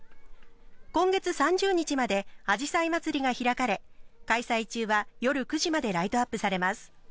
今月３０日まであじさい祭りが開かれ開催中は夜９時までライトアップされます。